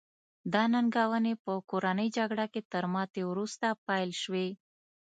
دا ننګونې په کورنۍ جګړه کې تر ماتې وروسته پیل شوې.